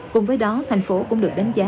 cùng với đó thành phố cũng được đánh giá